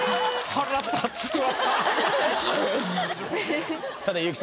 腹立つわ。